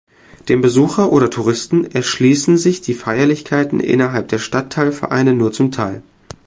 Dem Besucher oder Touristen erschließen sich die Feierlichkeiten innerhalb der Stadtteil-Vereine nur zum Teil.